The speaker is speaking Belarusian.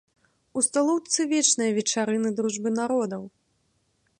У сталоўцы вечныя вечарыны дружбы народаў.